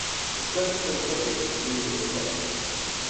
His principal critic was Julius Stone.